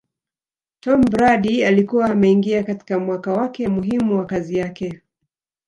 Tomm Brady alikuwa ameingia katika mwaka wake muhimu wa kazi yake